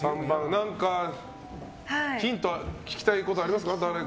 ヒント聞きたいことありますか？